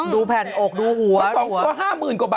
ดูแผ่นอกดูหัวก